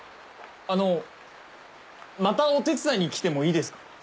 あのまたお手伝いに来てもいいですか？